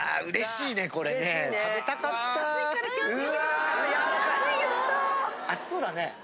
うれしいね。